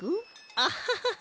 アハハハ。